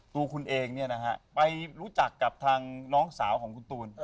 ตัวคุณเองไปรู้จักกับทางน้องสาวของคุณตูน